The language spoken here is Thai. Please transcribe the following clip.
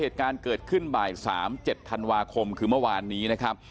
เหตุการณ์เกิดขึ้นบ่าย๓๗ธันวาคมคือเมื่อวานนี้นะครับ